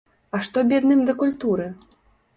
А што бедным да культуры?